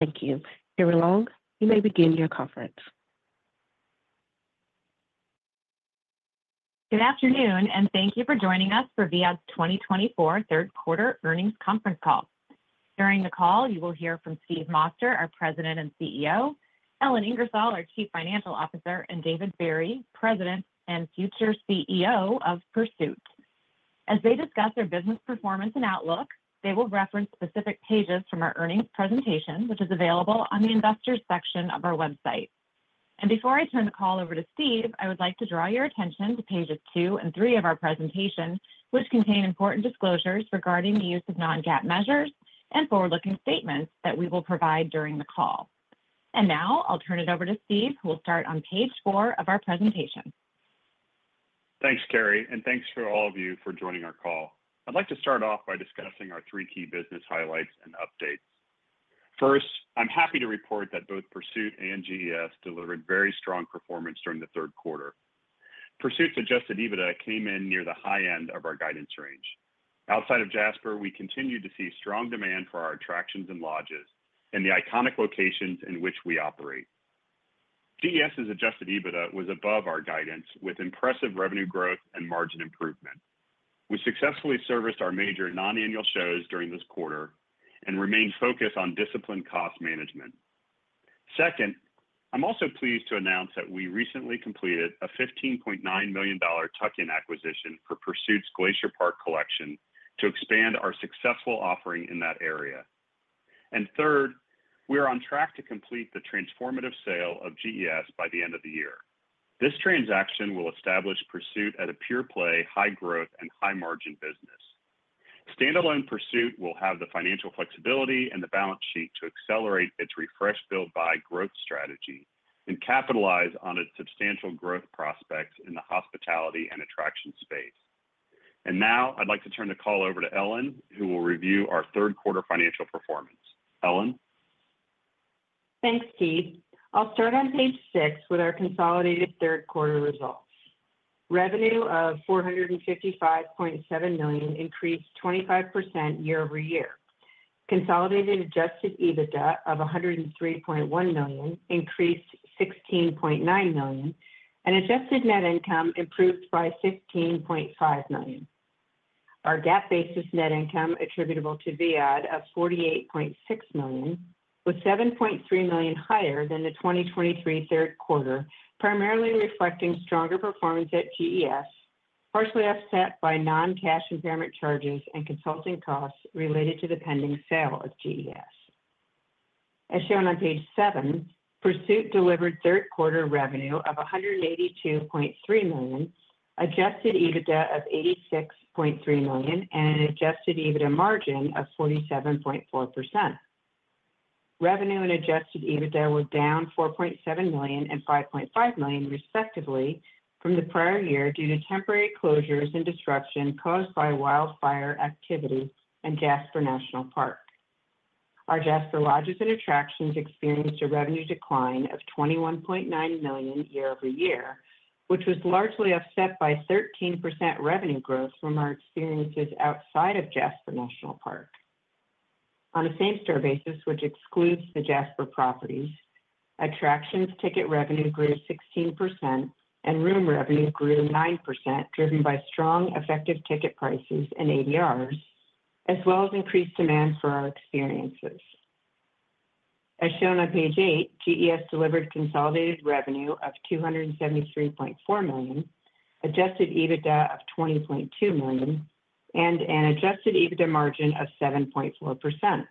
Thank you. Carrie Long, you may begin your conference. Good afternoon, and thank you for joining us for Viad's 2024 Third Quarter Earnings Conference Call. During the call, you will hear from Steve Moster, our President and CEO; Ellen Ingersoll, our Chief Financial Officer; and David Barry, President and future CEO of Pursuit. As they discuss their business performance and outlook, they will reference specific pages from our earnings presentation, which is available on the investors' section of our website, and before I turn the call over to Steve, I would like to draw your attention to pages two and three of our presentation, which contain important disclosures regarding the use of non-GAAP measures and forward-looking statements that we will provide during the call, and now I'll turn it over to Steve, who will start on page four of our presentation. Thanks, Carrie, and thanks for all of you for joining our call. I'd like to start off by discussing our three key business highlights and updates. First, I'm happy to report that both Pursuit and GES delivered very strong performance during the third quarter. Pursuit's Adjusted EBITDA came in near the high end of our guidance range. Outside of Jasper, we continue to see strong demand for our attractions and lodges and the iconic locations in which we operate. GES's Adjusted EBITDA was above our guidance, with impressive revenue growth and margin improvement. We successfully serviced our major non-annual shows during this quarter and remained focused on disciplined cost management. Second, I'm also pleased to announce that we recently completed a $15.9 million tuck-in acquisition for Pursuit's Glacier Park Collection to expand our successful offering in that area. And third, we are on track to complete the transformative sale of GES by the end of the year. This transaction will establish Pursuit as a pure play, high growth, and high margin business. Standalone Pursuit will have the financial flexibility and the balance sheet to accelerate its Refresh-Build-Buy growth strategy and capitalize on its substantial growth prospects in the hospitality and attraction space. And now I'd like to turn the call over to Ellen, who will review our third quarter financial performance. Ellen. Thanks, Steve. I'll start on page six with our consolidated third quarter results. Revenue of $455.7 million increased 25% year over year. Consolidated adjusted EBITDA of $103.1 million increased $16.9 million, and adjusted net income improved by $15.5 million. Our GAAP basis net income attributable to Viad of $48.6 million was $7.3 million higher than the 2023 third quarter, primarily reflecting stronger performance at GES, partially offset by non-cash impairment charges and consulting costs related to the pending sale of GES. As shown on page seven, Pursuit delivered third quarter revenue of $182.3 million, adjusted EBITDA of $86.3 million, and an adjusted EBITDA margin of 47.4%. Revenue and adjusted EBITDA were down $4.7 million and $5.5 million, respectively, from the prior year due to temporary closures and disruption caused by wildfire activity in Jasper National Park. Our Jasper Lodges and Attractions experienced a revenue decline of $21.9 million year over year, which was largely offset by 13% revenue growth from our experiences outside of Jasper National Park. On a same-store basis, which excludes the Jasper properties, attractions ticket revenue grew 16%, and room revenue grew 9%, driven by strong effective ticket prices and ADRs, as well as increased demand for our experiences. As shown on page eight, GES delivered consolidated revenue of $273.4 million, Adjusted EBITDA of $20.2 million, and an Adjusted EBITDA margin of 7.4%.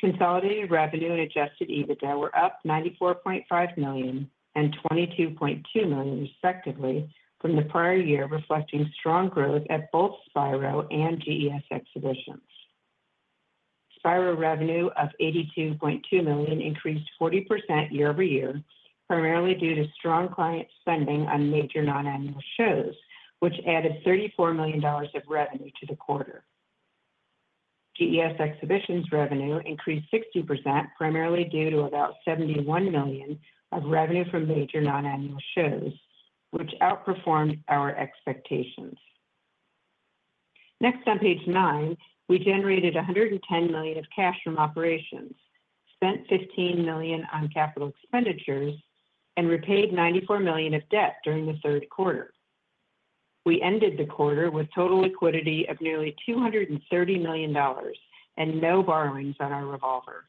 Consolidated revenue and Adjusted EBITDA were up $94.5 million and $22.2 million, respectively, from the prior year, reflecting strong growth at both Spiro and GES Exhibitions. Spiro revenue of $82.2 million increased 40% year over year, primarily due to strong client spending on major non-annual shows, which added $34 million of revenue to the quarter. GES Exhibitions revenue increased 60%, primarily due to about $71 million of revenue from major non-annual shows, which outperformed our expectations. Next, on page nine, we generated $110 million of cash from operations, spent $15 million on capital expenditures, and repaid $94 million of debt during the third quarter. We ended the quarter with total liquidity of nearly $230 million and no borrowings on our revolver.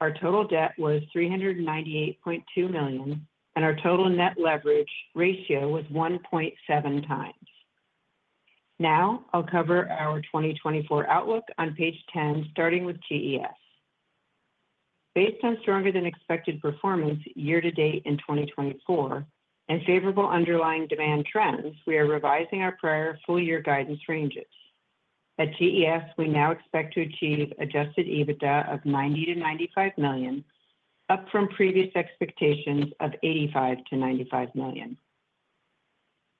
Our total debt was $398.2 million, and our total net leverage ratio was 1.7x. Now I'll cover our 2024 outlook on page 10, starting with GES. Based on stronger-than-expected performance year to date in 2024 and favorable underlying demand trends, we are revising our prior full-year guidance ranges. At GES, we now expect to achieve Adjusted EBITDA of $90 million-$95 million, up from previous expectations of $85 million-$95 million.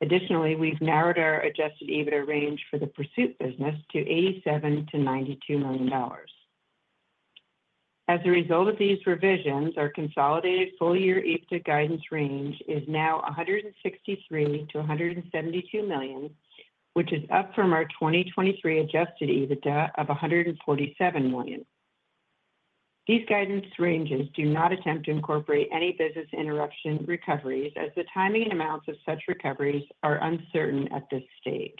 Additionally, we've narrowed our Adjusted EBITDA range for the Pursuit business to $87-$92 million. As a result of these revisions, our consolidated full-year EBITDA guidance range is now $163 million-$172 million, which is up from our 2023 Adjusted EBITDA of $147 million. These guidance ranges do not attempt to incorporate any business interruption recoveries, as the timing and amounts of such recoveries are uncertain at this stage.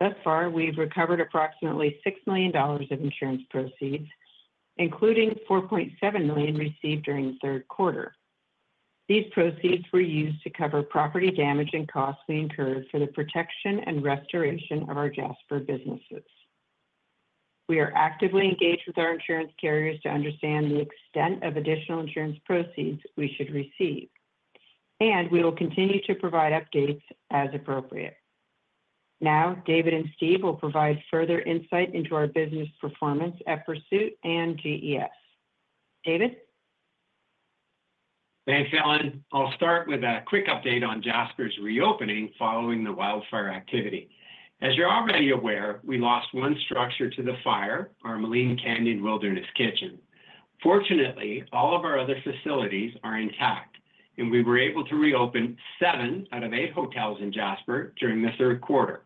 Thus far, we've recovered approximately $6 million of insurance proceeds, including $4.7 million received during the third quarter. These proceeds were used to cover property damage and costs we incurred for the protection and restoration of our Jasper businesses. We are actively engaged with our insurance carriers to understand the extent of additional insurance proceeds we should receive, and we will continue to provide updates as appropriate. Now David and Steve will provide further insight into our business performance at Pursuit and GES. David? Thanks, Ellen. I'll start with a quick update on Jasper's reopening following the wildfire activity. As you're already aware, we lost one structure to the fire, our Maligne Canyon Wilderness Kitchen. Fortunately, all of our other facilities are intact, and we were able to reopen seven out of eight hotels in Jasper during the third quarter.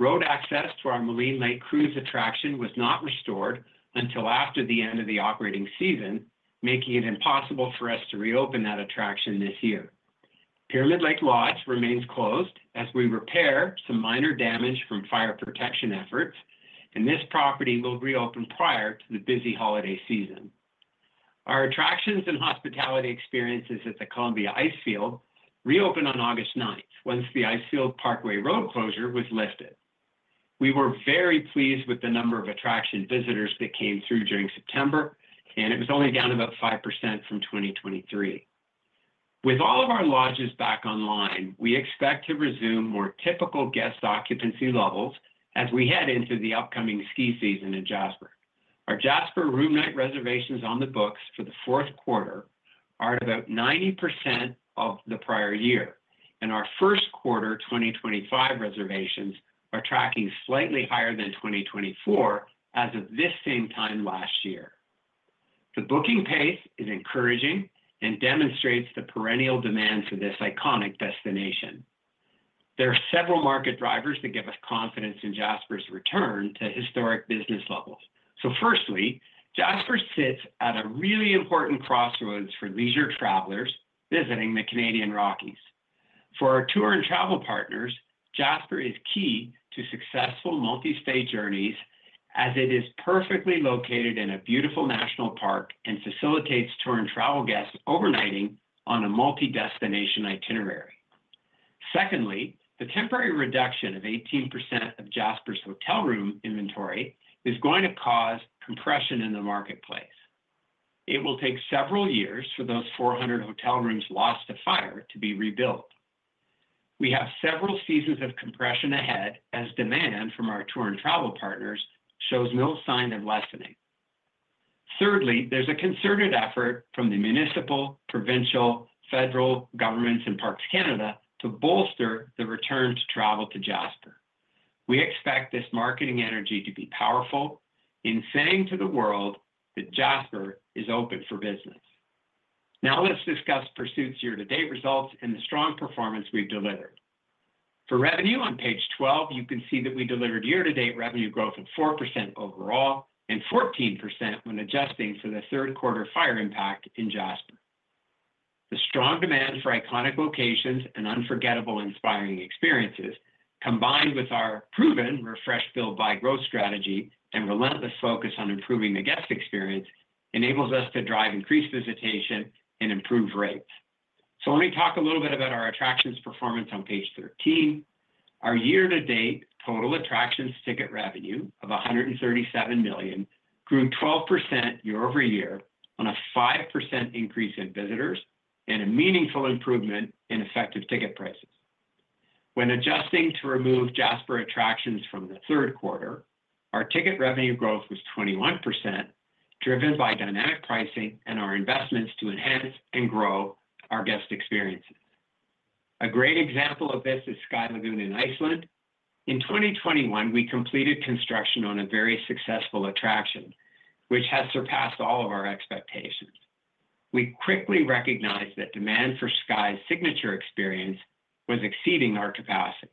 Road access to our Maligne Lake Cruise attraction was not restored until after the end of the operating season, making it impossible for us to reopen that attraction this year. Pyramid Lake Lodge remains closed as we repair some minor damage from fire protection efforts, and this property will reopen prior to the busy holiday season. Our attractions and hospitality experiences at the Columbia Icefield reopened on August 9th once the Icefields Parkway Road closure was lifted. We were very pleased with the number of attraction visitors that came through during September, and it was only down about 5% from 2023. With all of our lodges back online, we expect to resume more typical guest occupancy levels as we head into the upcoming ski season in Jasper. Our Jasper room night reservations on the books for the fourth quarter are at about 90% of the prior year, and our first quarter 2025 reservations are tracking slightly higher than 2024 as of this same time last year. The booking pace is encouraging and demonstrates the perennial demand for this iconic destination. There are several market drivers that give us confidence in Jasper's return to historic business levels. So firstly, Jasper sits at a really important crossroads for leisure travelers visiting the Canadian Rockies. For our tour and travel partners, Jasper is key to successful multi-state journeys as it is perfectly located in a beautiful national park and facilitates tour and travel guests overnighting on a multi-destination itinerary. Secondly, the temporary reduction of 18% of Jasper's hotel room inventory is going to cause compression in the marketplace. It will take several years for those 400 hotel rooms lost to fire to be rebuilt. We have several seasons of compression ahead as demand from our tour and travel partners shows no sign of lessening. Thirdly, there's a concerted effort from the municipal, provincial, federal governments, and Parks Canada to bolster the return to travel to Jasper. We expect this marketing energy to be powerful in saying to the world that Jasper is open for business. Now let's discuss Pursuit's year-to-date results and the strong performance we've delivered. For revenue, on page 12, you can see that we delivered year-to-date revenue growth of 4% overall and 14% when adjusting for the third quarter fire impact in Jasper. The strong demand for iconic locations and unforgettable inspiring experiences, combined with our proven Refresh-Build-Buy growth strategy and relentless focus on improving the guest experience, enables us to drive increased visitation and improve rates. So let me talk a little bit about our attractions performance on page 13. Our year-to-date total attractions ticket revenue of $137 million grew 12% year over year on a 5% increase in visitors and a meaningful improvement in effective ticket prices. When adjusting to remove Jasper attractions from the third quarter, our ticket revenue growth was 21%, driven by dynamic pricing and our investments to enhance and grow our guest experiences. A great example of this is Sky Lagoon in Iceland. In 2021, we completed construction on a very successful attraction, which has surpassed all of our expectations. We quickly recognized that demand for Sky's signature experience was exceeding our capacity.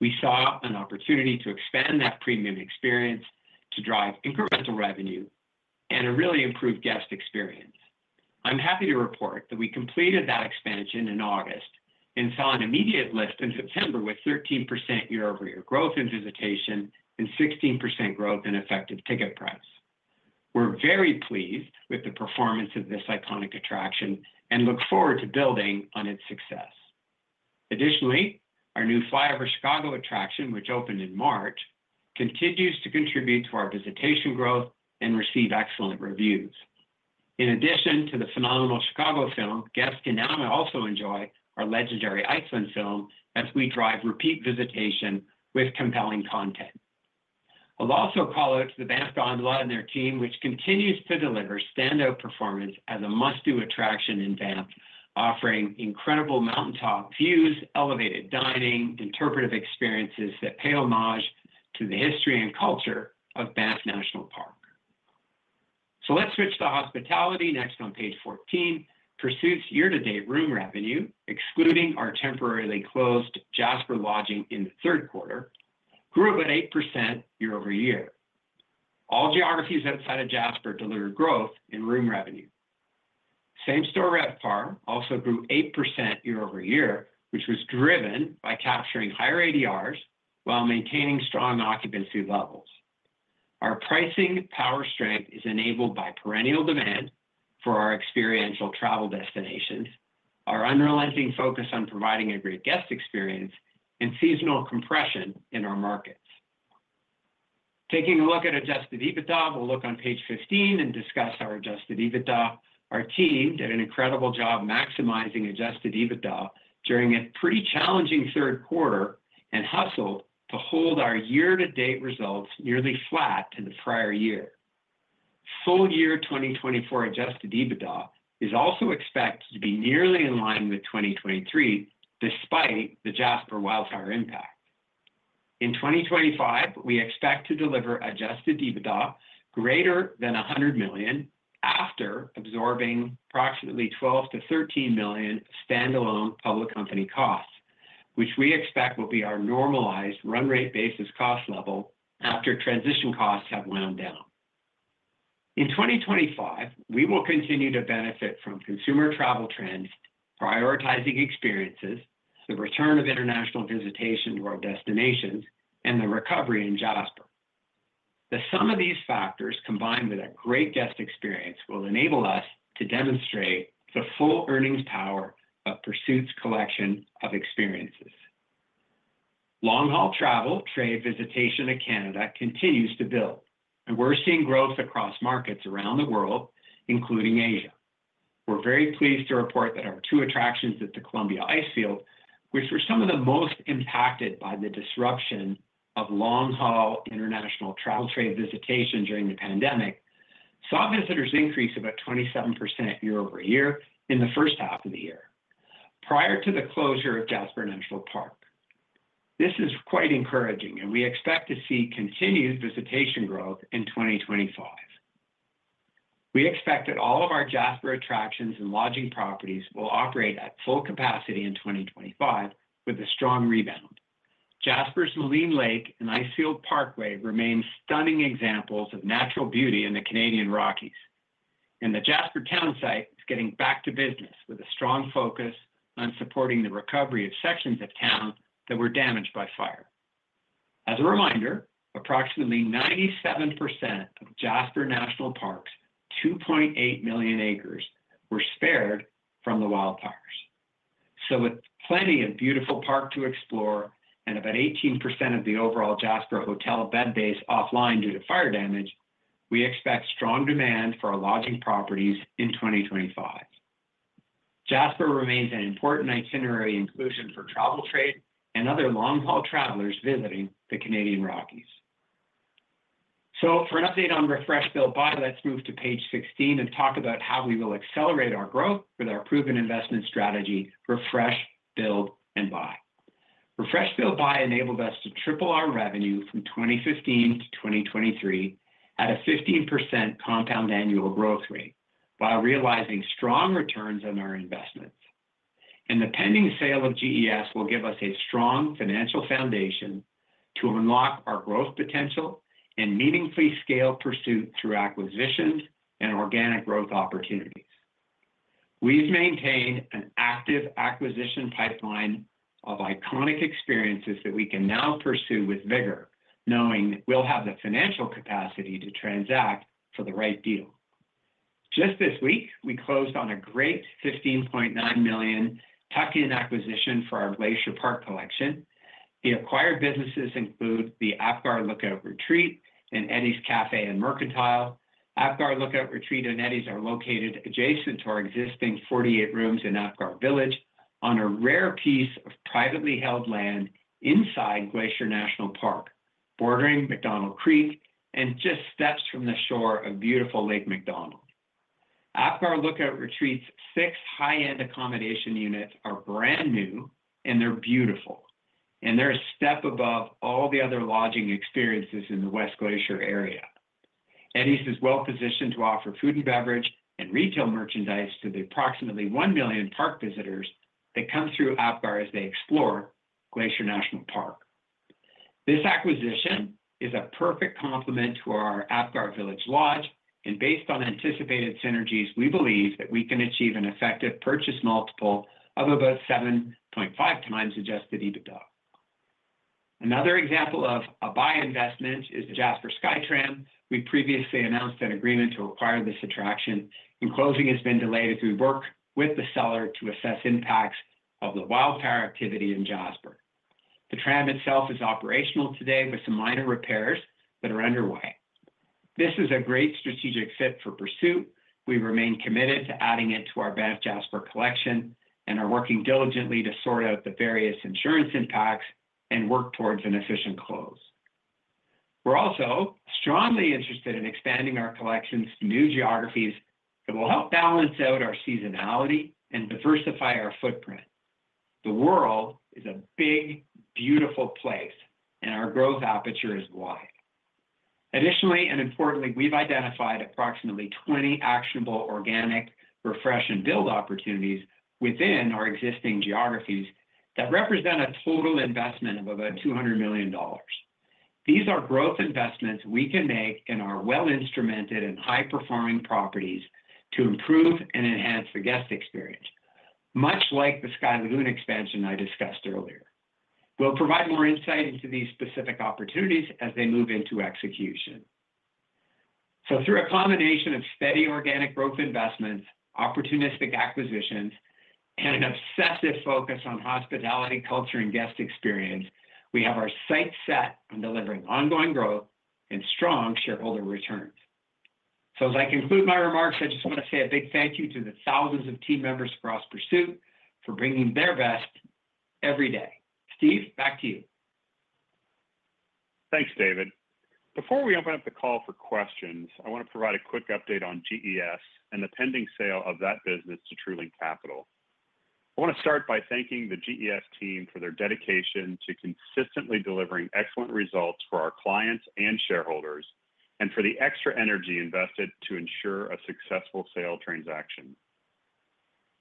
We saw an opportunity to expand that premium experience to drive incremental revenue and a really improved guest experience. I'm happy to report that we completed that expansion in August and saw an immediate lift in September with 13% year-over-year growth in visitation and 16% growth in effective ticket price. We're very pleased with the performance of this iconic attraction and look forward to building on its success. Additionally, our new Flyover Chicago attraction, which opened in March, continues to contribute to our visitation growth and receive excellent reviews. In addition to the phenomenal Chicago film, guests can now also enjoy our legendary Iceland film as we drive repeat visitation with compelling content. I'll also call out to the Banff Gondola and their team, which continues to deliver standout performance as a must-do attraction in Banff, offering incredible mountaintop views, elevated dining, and interpretive experiences that pay homage to the history and culture of Banff National Park. So let's switch to hospitality next on page 14. Pursuit's year-to-date room revenue, excluding our temporarily closed Jasper lodges in the third quarter, grew about 8% year over year. All geographies outside of Jasper delivered growth in room revenue. Same-store restaurant also grew 8% year over year, which was driven by capturing higher ADRs while maintaining strong occupancy levels. Our pricing power strength is enabled by perennial demand for our experiential travel destinations, our unrelenting focus on providing a great guest experience, and seasonal compression in our markets. Taking a look at Adjusted EBITDA, we'll look on page 15 and discuss our Adjusted EBITDA. Our team did an incredible job maximizing Adjusted EBITDA during a pretty challenging third quarter and hustled to hold our year-to-date results nearly flat to the prior year. Full-year 2024 Adjusted EBITDA is also expected to be nearly in line with 2023, despite the Jasper wildfire impact. In 2025, we expect to deliver Adjusted EBITDA greater than $100 million after absorbing approximately $12-$13 million of standalone public company costs, which we expect will be our normalized run rate basis cost level after transition costs have wound down. In 2025, we will continue to benefit from consumer travel trends, prioritizing experiences, the return of international visitation to our destinations, and the recovery in Jasper. The sum of these factors, combined with a great guest experience, will enable us to demonstrate the full earnings power of Pursuit's collection of experiences. Long-haul travel trade visitation to Canada continues to build, and we're seeing growth across markets around the world, including Asia. We're very pleased to report that our two attractions at the Columbia Icefield, which were some of the most impacted by the disruption of long-haul international travel trade visitation during the pandemic, saw visitors increase about 27% year over year in the first half of the year prior to the closure of Jasper National Park. This is quite encouraging, and we expect to see continued visitation growth in 2025. We expect that all of our Jasper attractions and lodging properties will operate at full capacity in 2025 with a strong rebound. Jasper's Maligne Lake and Icefields Parkway remain stunning examples of natural beauty in the Canadian Rockies, and the Jasper town site is getting back to business with a strong focus on supporting the recovery of sections of town that were damaged by fire. As a reminder, approximately 97% of Jasper National Park's 2.8 million acres were spared from the wildfires. So with plenty of beautiful park to explore and about 18% of the overall Jasper hotel bed base offline due to fire damage, we expect strong demand for our lodging properties in 2025. Jasper remains an important itinerary inclusion for travel trade and other long-haul travelers visiting the Canadian Rockies. So for an update on Refresh-Build-Buy, let's move to page 16 and talk about how we will accelerate our growth with our proven investment strategy, refresh, build, and buy. Refresh, build, buy enabled us to triple our revenue from 2015 to 2023 at a 15% compound annual growth rate while realizing strong returns on our investments, and the pending sale of GES will give us a strong financial foundation to unlock our growth potential and meaningfully scale Pursuit through acquisitions and organic growth opportunities. We've maintained an active acquisition pipeline of iconic experiences that we can now pursue with vigor, knowing that we'll have the financial capacity to transact for the right deal. Just this week, we closed on a great $15.9 million tuck-in acquisition for our Glacier Park Collection. The acquired businesses include the Apgar Lookout Retreat and Eddie's Cafe and Mercantile. Apgar Lookout Retreat and Eddie's are located adjacent to our existing 48 rooms in Apgar Village on a rare piece of privately held land inside Glacier National Park, bordering McDonald Creek and just steps from the shore of beautiful Lake McDonald. Apgar Lookout Retreat's six high-end accommodation units are brand new, and they're beautiful, and they're a step above all the other lodging experiences in the West Glacier area. Eddie's is well-positioned to offer food and beverage and retail merchandise to the approximately 1 million park visitors that come through Apgar as they explore Glacier National Park. This acquisition is a perfect complement to our Apgar Village Lodge, and based on anticipated synergies, we believe that we can achieve an effective purchase multiple of about 7.5 times Adjusted EBITDA. Another example of a buy investment is the Jasper SkyTram. We previously announced an agreement to acquire this attraction, and closing has been delayed as we work with the seller to assess impacts of the wildfire activity in Jasper. The tram itself is operational today with some minor repairs that are underway. This is a great strategic fit for Pursuit. We remain committed to adding it to our Banff Jasper Collection and are working diligently to sort out the various insurance impacts and work towards an efficient close. We're also strongly interested in expanding our collection's new geographies that will help balance out our seasonality and diversify our footprint. The world is a big, beautiful place, and our growth aperture is wide. Additionally, and importantly, we've identified approximately 20 actionable organic refresh and build opportunities within our existing geographies that represent a total investment of about $200 million. These are growth investments we can make in our well-instrumented and high-performing properties to improve and enhance the guest experience, much like the Sky Lagoon expansion I discussed earlier. We'll provide more insight into these specific opportunities as they move into execution. So through a combination of steady organic growth investments, opportunistic acquisitions, and an obsessive focus on hospitality, culture, and guest experience, we have our sights set on delivering ongoing growth and strong shareholder returns. So as I conclude my remarks, I just want to say a big thank you to the thousands of team members across Pursuit for bringing their best every day. Steve, back to you. Thanks, David. Before we open up the call for questions, I want to provide a quick update on GES and the pending sale of that business to TruLink Capital. I want to start by thanking the GES team for their dedication to consistently delivering excellent results for our clients and shareholders and for the extra energy invested to ensure a successful sale transaction.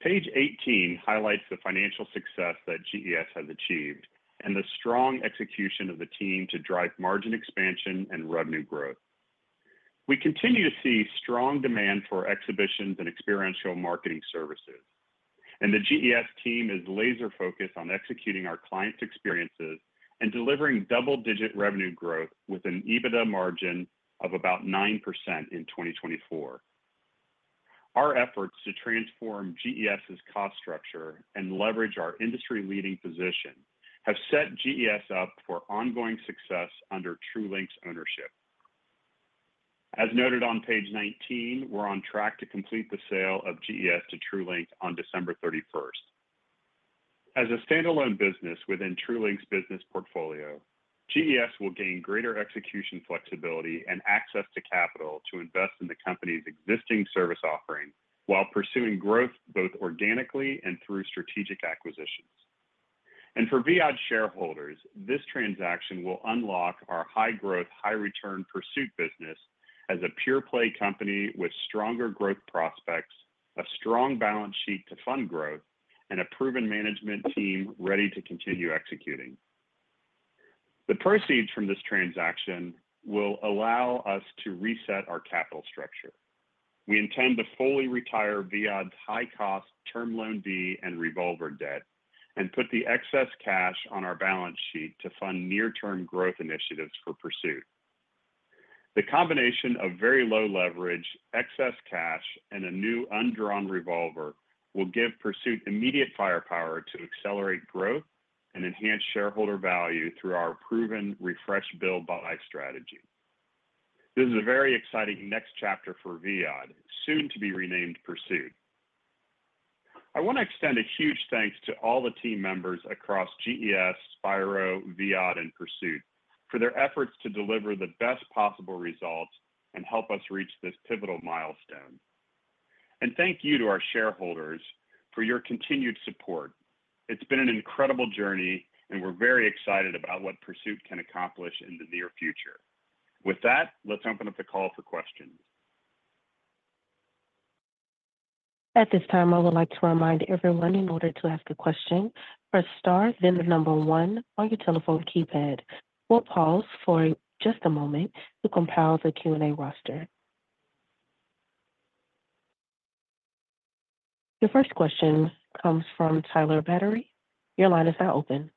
Page 18 highlights the financial success that GES has achieved and the strong execution of the team to drive margin expansion and revenue growth. We continue to see strong demand for exhibitions and experiential marketing services, and the GES team is laser-focused on executing our clients' experiences and delivering double-digit revenue growth with an EBITDA margin of about 9% in 2024. Our efforts to transform GES's cost structure and leverage our industry-leading position have set GES up for ongoing success under TruLink's ownership. As noted on page 19, we're on track to complete the sale of GES to TruLink on December 31st. As a standalone business within TruLink's business portfolio, GES will gain greater execution flexibility and access to capital to invest in the company's existing service offering while pursuing growth both organically and through strategic acquisitions, and for Viad shareholders, this transaction will unlock our high-growth, high-return Pursuit business as a pure-play company with stronger growth prospects, a strong balance sheet to fund growth, and a proven management team ready to continue executing. The proceeds from this transaction will allow us to reset our capital structure. We intend to fully retire Viad's high-cost Term Loan B and revolver debt and put the excess cash on our balance sheet to fund near-term growth initiatives for Pursuit. The combination of very low leverage, excess cash, and a new undrawn revolver will give Pursuit immediate firepower to accelerate growth and enhance shareholder value through our proven refresh-build-buy strategy. This is a very exciting next chapter for Viad, soon to be renamed Pursuit. I want to extend a huge thanks to all the team members across GES, Spiro, Viad, and Pursuit for their efforts to deliver the best possible results and help us reach this pivotal milestone. And thank you to our shareholders for your continued support. It's been an incredible journey, and we're very excited about what Pursuit can accomplish in the near future. With that, let's open up the call for questions. At this time, I would like to remind everyone in order to ask a question, press star, then the number one on your telephone keypad. We'll pause for just a moment to compile the Q&A roster. The first question comes from Tyler Batory. Your line is now open.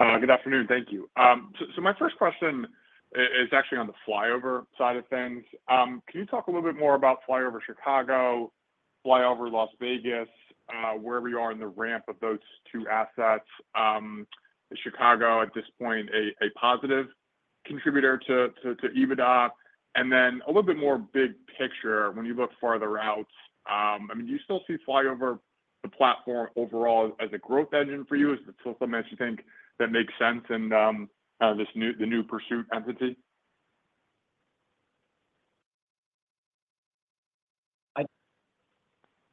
Good afternoon. Thank you. So my first question is actually on the Flyover side of things. Can you talk a little bit more about Flyover Chicago, Flyover Las Vegas, wherever you are in the ramp of those two assets? Is Chicago at this point a positive contributor to EBITDA? And then a little bit more big picture, when you look farther out, I mean, do you still see Flyover, the platform overall, as a growth engine for you? Is it still something that you think that makes sense in the new Pursuit entity?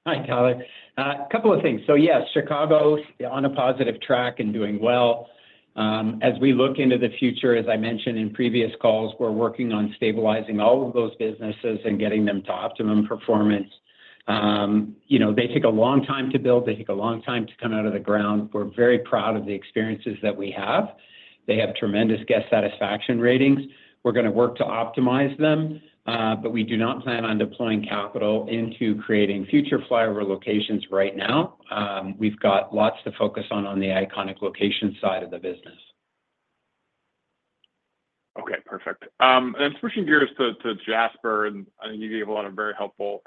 Hi, Tyler. A couple of things. So yes, Chicago on a positive track and doing well. As we look into the future, as I mentioned in previous calls, we're working on stabilizing all of those businesses and getting them to optimum performance. They take a long time to build. They take a long time to come out of the ground. We're very proud of the experiences that we have. They have tremendous guest satisfaction ratings. We're going to work to optimize them, but we do not plan on deploying capital into creating future Flyover locations right now. We've got lots to focus on the iconic location side of the business. Okay. Perfect. And switching gears to Jasper, and I think you gave a lot of very helpful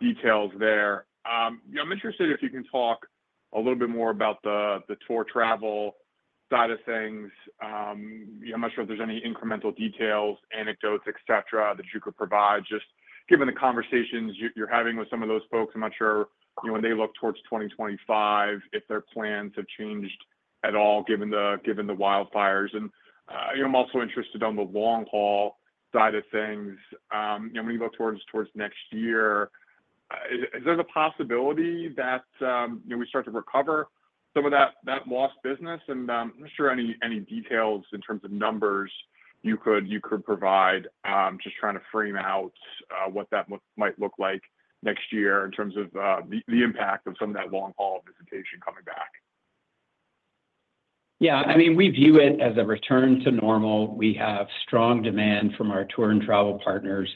details there. I'm interested if you can talk a little bit more about the tour travel side of things. I'm not sure if there's any incremental details, anecdotes, etc., that you could provide. Just given the conversations you're having with some of those folks, I'm not sure when they look towards 2025 if their plans have changed at all given the wildfires. And I'm also interested on the long-haul side of things. When you look towards next year, is there a possibility that we start to recover some of that lost business? And I'm not sure any details in terms of numbers you could provide, just trying to frame out what that might look like next year in terms of the impact of some of that long-haul visitation coming back. Yeah. I mean, we view it as a return to normal. We have strong demand from our tour and travel partners.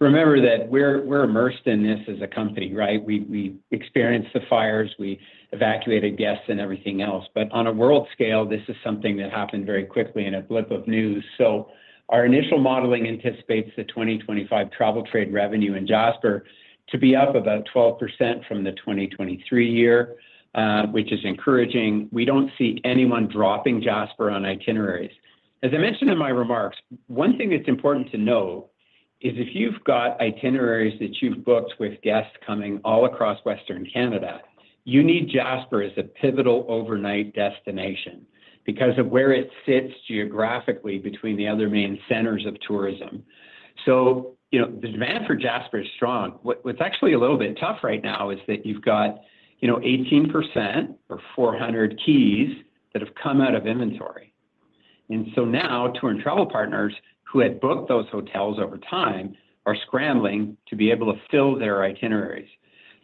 Remember that we're immersed in this as a company, right? We experienced the fires. We evacuated guests and everything else. But on a world scale, this is something that happened very quickly in a blip of news. So our initial modeling anticipates the 2025 travel trade revenue in Jasper to be up about 12% from the 2023 year, which is encouraging. We don't see anyone dropping Jasper on itineraries. As I mentioned in my remarks, one thing that's important to know is if you've got itineraries that you've booked with guests coming all across Western Canada, you need Jasper as a pivotal overnight destination because of where it sits geographically between the other main centers of tourism. So the demand for Jasper is strong. What's actually a little bit tough right now is that you've got 18% or 400 keys that have come out of inventory. And so now tour and travel partners who had booked those hotels over time are scrambling to be able to fill their itineraries.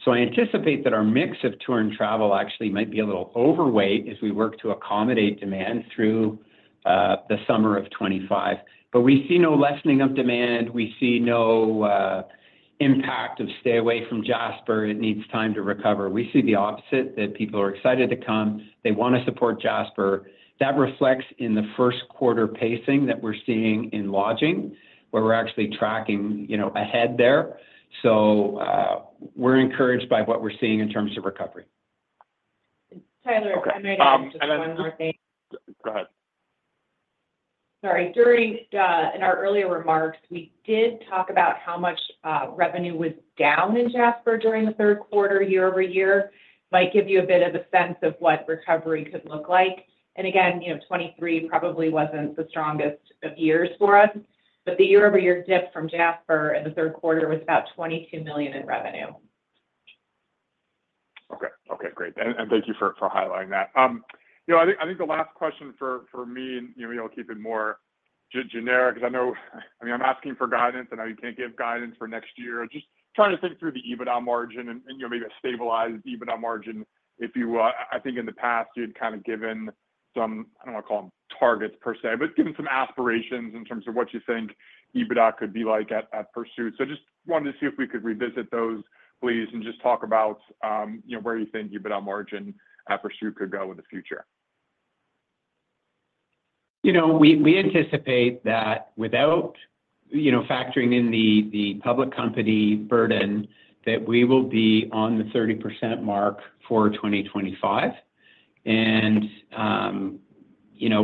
So I anticipate that our mix of tour and travel actually might be a little overweight as we work to accommodate demand through the summer of 2025. But we see no lessening of demand. We see no impact of stay away from Jasper. It needs time to recover. We see the opposite, that people are excited to come. They want to support Jasper. That reflects in the first quarter pacing that we're seeing in lodging, where we're actually tracking ahead there. So we're encouraged by what we're seeing in terms of recovery. Tyler, I might add just one more thing. Go ahead. Sorry. In our earlier remarks, we did talk about how much revenue was down in Jasper during the third quarter, year over year. Might give you a bit of a sense of what recovery could look like. And again, 2023 probably wasn't the strongest of years for us, but the year-over-year dip from Jasper in the third quarter was about $22 million in revenue. Okay. Okay. Great. And thank you for highlighting that. I think the last question for me, and maybe I'll keep it more generic, because I know, I mean, I'm asking for guidance, and I know you can't give guidance for next year. Just trying to think through the EBITDA margin and maybe a stabilized EBITDA margin if you will. I think in the past, you had kind of given some, I don't want to call them targets per se, but given some aspirations in terms of what you think EBITDA could be like at Pursuit. So just wanted to see if we could revisit those, please, and just talk about where you think EBITDA margin at Pursuit could go in the future. We anticipate that without factoring in the public company burden, that we will be on the 30% mark for 2025. and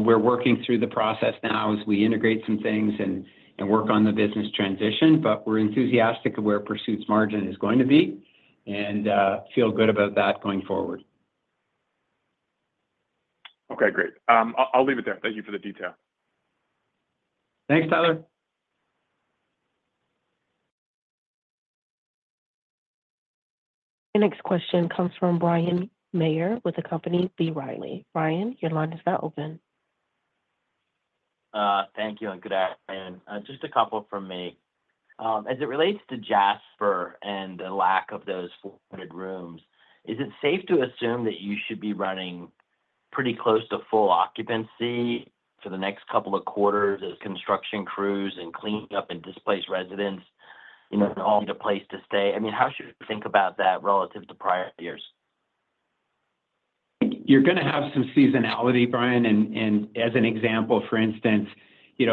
we're working through the process now as we integrate some things and work on the business transition, but we're enthusiastic of where Pursuit's margin is going to be and feel good about that going forward. Okay. Great. I'll leave it there. Thank you for the detail. Thanks, Tyler. The next question comes from Brian Mayer with the company B. Riley. Brian, your line is now open. Thank you, and good afternoon. Just a couple from me. As it relates to Jasper and the lack of those 400 rooms, is it safe to assume that you should be running pretty close to full occupancy for the next couple of quarters as construction crews and cleaning up and displaced residents all need a place to stay? I mean, how should we think about that relative to prior years? You're going to have some seasonality, Brian. As an example, for instance,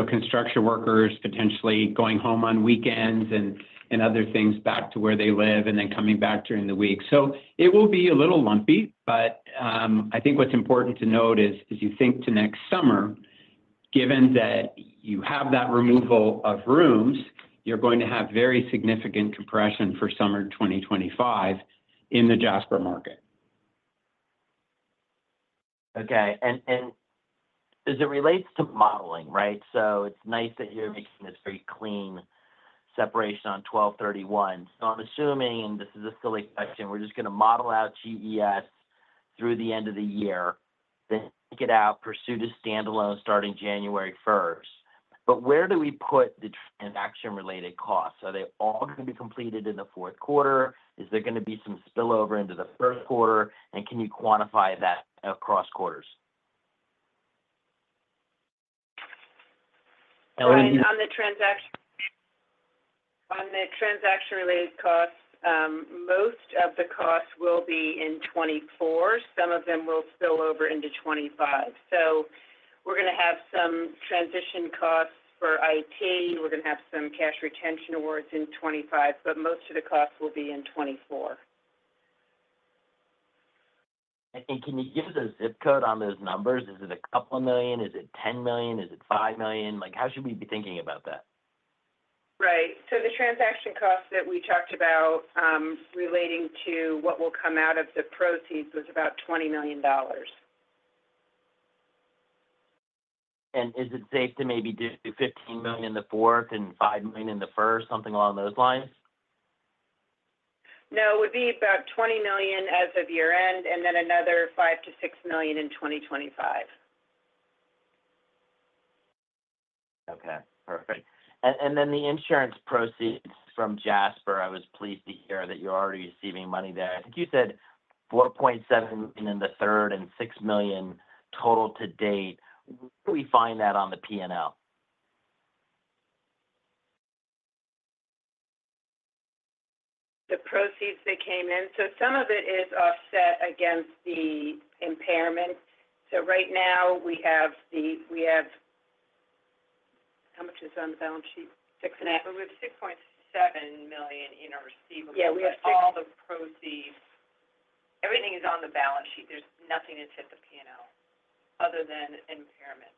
construction workers potentially going home on weekends and other things back to where they live and then coming back during the week. It will be a little lumpy, but I think what's important to note is as you think to next summer, given that you have that removal of rooms, you're going to have very significant compression for summer 2025 in the Jasper market. Okay. As it relates to modeling, right? It's nice that you're making this very clean separation on 12/31. I'm assuming, and this is a silly question, we're just going to model out GES through the end of the year, then take it out, Pursuit to standalone starting January 1st. But where do we put the transaction-related costs? Are they all going to be completed in the fourth quarter? Is there going to be some spillover into the first quarter? And can you quantify that across quarters? On the transaction-related costs, most of the costs will be in 2024. Some of them will spill over into 2025. So we're going to have some transition costs for IT. We're going to have some cash retention awards in 2025, but most of the costs will be in 2024. And can you give us a zip code on those numbers? Is it a couple of million? Is it $10 million? Is it $5 million? How should we be thinking about that? Right. So the transaction costs that we talked about relating to what will come out of the proceeds was about $20 million. And is it safe to maybe do $15 million in the fourth and $5 million in the first, something along those lines? No, it would be about $20 million as of year-end and then another $5 million-$6 million in 2025. Okay. Perfect. And then the insurance proceeds from Jasper, I was pleased to hear that you're already receiving money there. I think you said $4.7 million in the third and $6 million total to date. Where do we find that on the P&L? The proceeds that came in. So some of it is offset against the impairment. So right now, we have the, how much is on the balance sheet? We have $6.7 million in our receivables. Yeah. We have $6. All the proceeds. Everything is on the balance sheet. There's nothing that's hit the P&L other than impairment.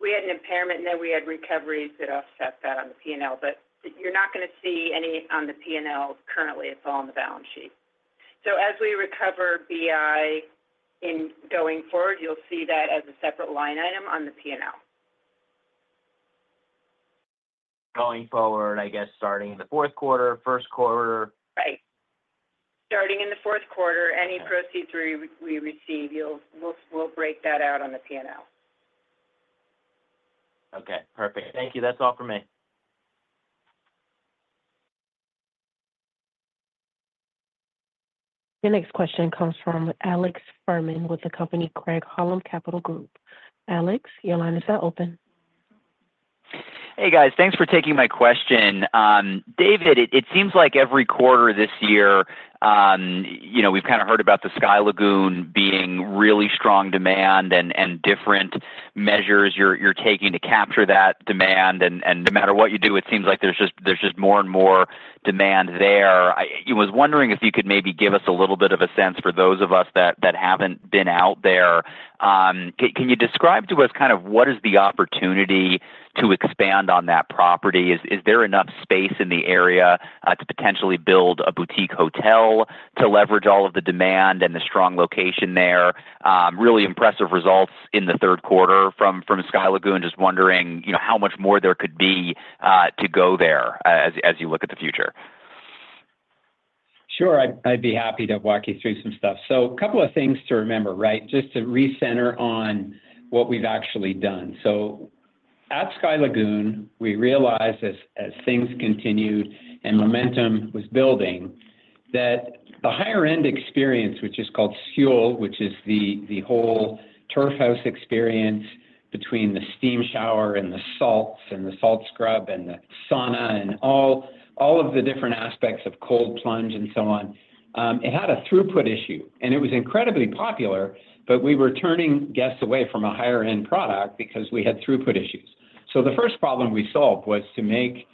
We had an impairment, and then we had recoveries that offset that on the P&L. But you're not going to see any on the P&L currently. It's all on the balance sheet. So as we recover BI in going forward, you'll see that as a separate line item on the P&L. Going forward, I guess, starting in the fourth quarter, first quarter? Right. Starting in the fourth quarter, any proceeds we receive, we'll break that out on the P&L. Okay. Perfect. Thank you. That's all for me. The next question comes from Alex Fuhrman with the company Craig-Hallum Capital Group. Alex, your line is now open. Hey, guys. Thanks for taking my question. David, it seems like every quarter this year, we've kind of heard about the Sky Lagoon being really strong demand and different measures you're taking to capture that demand. And no matter what you do, it seems like there's just more and more demand there. I was wondering if you could maybe give us a little bit of a sense for those of us that haven't been out there. Can you describe to us kind of what is the opportunity to expand on that property? Is there enough space in the area to potentially build a boutique hotel to leverage all of the demand and the strong location there? Really impressive results in the third quarter from Sky Lagoon. Just wondering how much more there could be to go there as you look at the future. Sure. I'd be happy to walk you through some stuff. So a couple of things to remember, right, just to recenter on what we've actually done. At Sky Lagoon, we realized as things continued and momentum was building that the higher-end experience, which is called Skjól, which is the whole turf house experience between the steam shower and the salts and the salt scrub and the sauna and all of the different aspects of cold plunge and so on, it had a throughput issue. It was incredibly popular, but we were turning guests away from a higher-end product because we had throughput issues. The first problem we solved was to make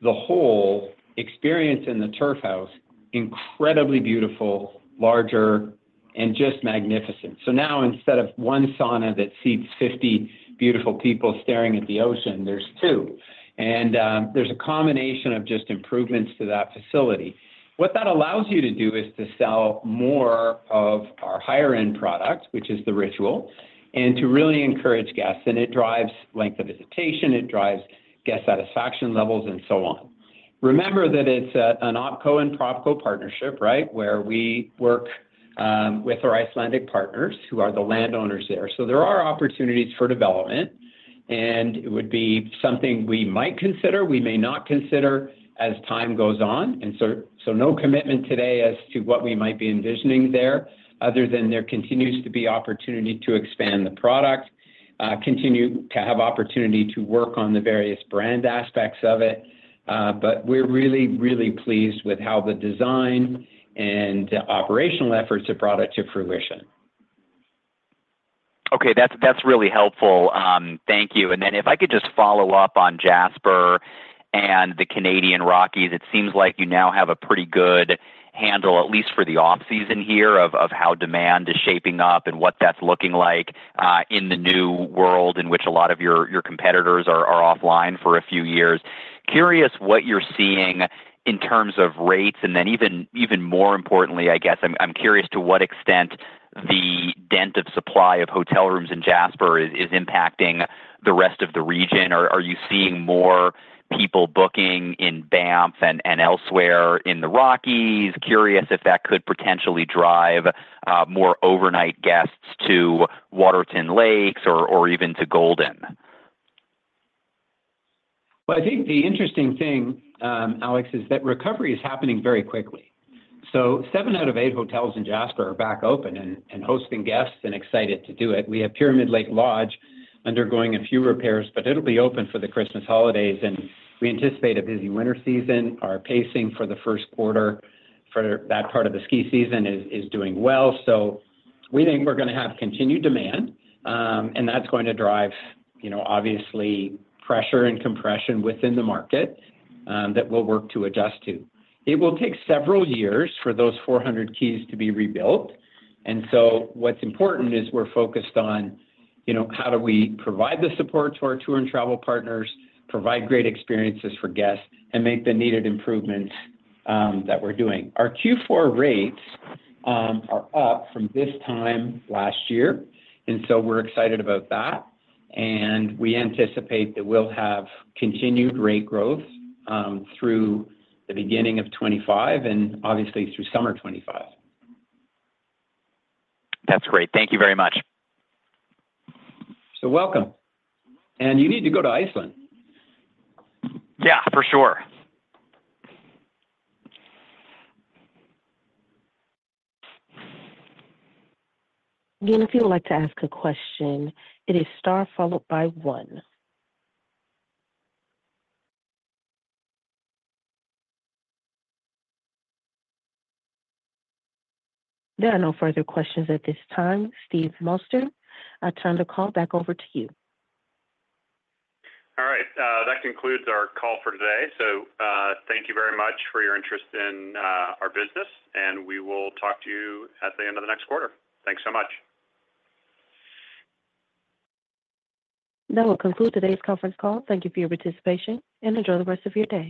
the whole experience in the turf house incredibly beautiful, larger, and just magnificent. Now, instead of one sauna that seats 50 beautiful people staring at the ocean, there are two. There is a combination of just improvements to that facility. What that allows you to do is to sell more of our higher-end product, which is the ritual, and to really encourage guests, and it drives length of visitation. It drives guest satisfaction levels and so on. Remember that it's an OpCo and PropCo partnership, right, where we work with our Icelandic partners who are the landowners there. So there are opportunities for development, and it would be something we might consider. We may not consider as time goes on, and so no commitment today as to what we might be envisioning there other than there continues to be opportunity to expand the product, continue to have opportunity to work on the various brand aspects of it, but we're really, really pleased with how the design and operational efforts have brought it to fruition. Okay. That's really helpful. Thank you. And then, if I could just follow up on Jasper and the Canadian Rockies, it seems like you now have a pretty good handle, at least for the off-season here, of how demand is shaping up and what that's looking like in the new world in which a lot of your competitors are offline for a few years. Curious what you're seeing in terms of rates. And then even more importantly, I guess I'm curious to what extent the dearth of supply of hotel rooms in Jasper is impacting the rest of the region. Are you seeing more people booking in Banff and elsewhere in the Rockies? Curious if that could potentially drive more overnight guests to Waterton Lakes or even to Golden. Well, I think the interesting thing, Alex, is that recovery is happening very quickly. So seven out of eight hotels in Jasper are back open and hosting guests and excited to do it. We have Pyramid Lake Lodge undergoing a few repairs, but it'll be open for the Christmas holidays. And we anticipate a busy winter season. Our pacing for the first quarter for that part of the ski season is doing well. So we think we're going to have continued demand, and that's going to drive, obviously, pressure and compression within the market that we'll work to adjust to. It will take several years for those 400 keys to be rebuilt. And so what's important is we're focused on how do we provide the support to our tour and travel partners, provide great experiences for guests, and make the needed improvements that we're doing. Our Q4 rates are up from this time last year, and so we're excited about that. We anticipate that we'll have continued rate growth through the beginning of 2025 and obviously through summer 2025. That's great. Thank you very much. You're welcome. And you need to go to Iceland. Yeah, for sure. If you would like to ask a question, it is star followed by one. There are no further questions at this time. Steve Moster, I turn the call back over to you. All right. That concludes our call for today. So thank you very much for your interest in our business, and we will talk to you at the end of the next quarter. Thanks so much. That will conclude today's conference call. Thank you for your participation and enjoy the rest of your day.